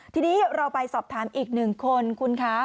ทีนี้เราไปสอบถามอีกหนึ่งคนคุณคะ